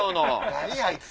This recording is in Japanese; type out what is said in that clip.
「何あいつ！